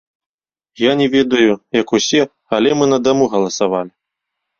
Я не ведаю, як усе, але мы на даму галасавалі.